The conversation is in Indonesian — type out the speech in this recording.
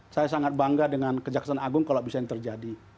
saya sangat bangga dengan kejaksaan agung kalau bisa ini terjadi